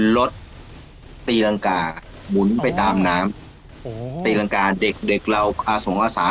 รถตีรังกาหมุนไปตามน้ำโอ้โหตีรังกาเด็กเด็กเราอาสงอาสา